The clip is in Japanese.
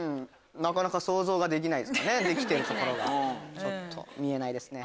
なかなか想像ができないですよねできてるとこが見えないですね。